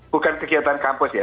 bukan kegiatan kampus ya